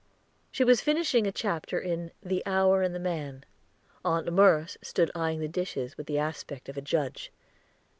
She was finishing a chapter in "The Hour and the Man." Aunt Merce stood eyeing the dishes with the aspect of a judge.